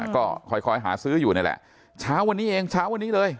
ก็คอยหาซื้ออยู่นี่แหละเช้าวันนี้เองเช้าวันนี้เลย